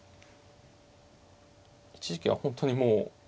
一時期は本当にもう。